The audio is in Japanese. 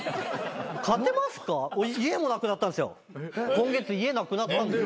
今月家なくなったんです。